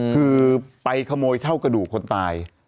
คือไปขโมยเท่ากระดูกคนตาย